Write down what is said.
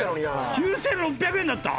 ９６００円だった？